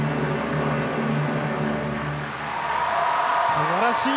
すばらしい！